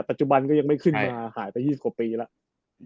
ปัจจุบันก็ยังไม่ขึ้นมาหายไป๒๐กว่าปีแล้ว